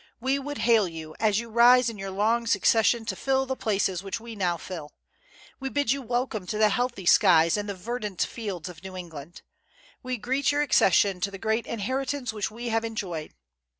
We would hail you, as you rise in your long succession to fill the places which we now fill.... We bid you welcome to the healthy skies and the verdant fields of New England. We greet your accession to the great inheritance which we have enjoyed.